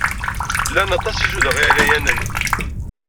Llan aṭas n yizudaɣ iɛlayanen.